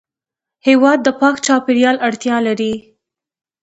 هېواد د پاک چاپېریال اړتیا لري.